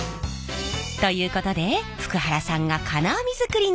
ということで福原さんが金網作りに挑戦！